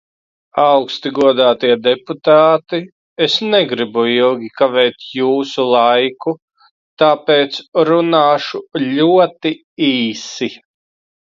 Augsti godātie deputāti, es negribu ilgi kavēt jūsu laiku, tāpēc runāšu ļoti īsi.